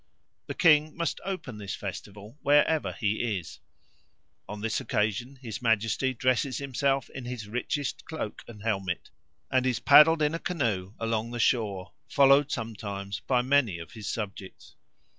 The king must open this festival wherever he is. On this occasion his majesty dresses himself in his richest cloak and helmet, and is paddled in a canoe along the shore, followed sometimes by many of his subjects.